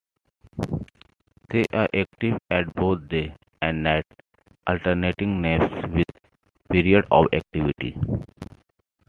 They are active at both day and night, alternating naps with periods of activity.